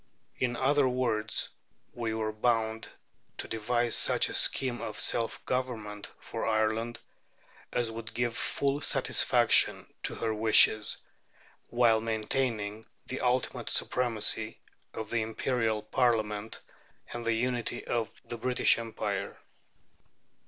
In other words, we were bound to devise such a scheme of self government for Ireland as would give full satisfaction to her wishes, while maintaining the ultimate supremacy of the Imperial Parliament and the unity of the British Empire.